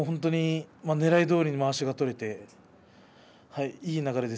ねらいどおりにまわしが取れて、いい流れで